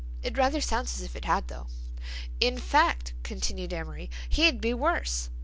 It rather sounds as if it had though." "In fact," continued Amory, "he'd be worse.